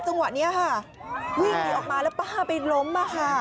วิ่งหนีออกมาแล้วป้าไปล้มมาค่ะ